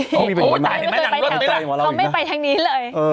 โอ้ยตายแล้วเขาไม่ไปทางนี้เลย